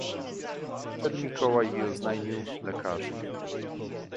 "Wszedł Mikołaj i oznajmił lekarzy."